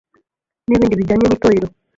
N’ibindi bijyanye nitorero